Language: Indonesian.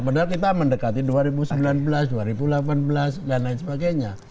padahal kita mendekati dua ribu sembilan belas dua ribu delapan belas dan lain sebagainya